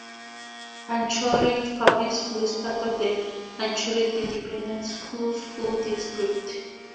Anchorage Public School is part of the Anchorage Independent Schools School District.